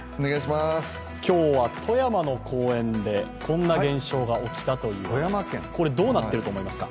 今日は富山の公園でこんな現象が起きたということです。